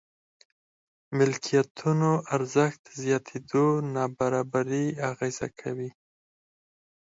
ملکيتونو ارزښت زياتېدو نابرابري اغېزه کوي.